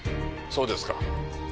そうですか。